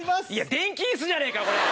電気椅子じゃねえか！